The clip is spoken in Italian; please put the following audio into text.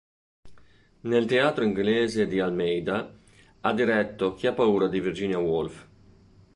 Nel teatro inglese di Almeida ha diretto "Chi ha paura di Virginia Woolf?